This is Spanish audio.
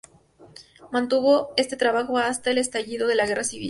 Mantuvo este trabajo hasta el estallido de la Guerra Civil.